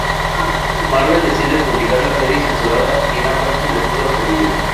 Marvel decide publicar la serie censurada y no aparecen desnudos en ella.